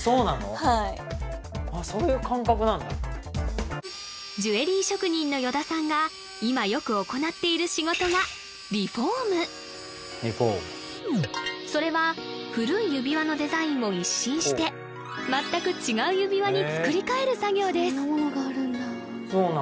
はいそういう感覚なんだジュエリー職人の依田さんが今よく行っている仕事がそれは古い指輪のデザインを一新して全く違う指輪に作りかえる作業です